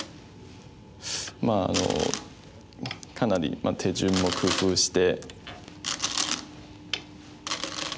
まあかなり手順を工夫して。